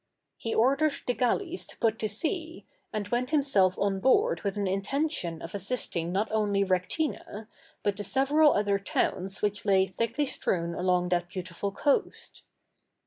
He ordered the galleys to put to sea, and went himself on board with an intention of assisting not only Rectina, but the several other towns which lay thickly strewn along that beautiful coast.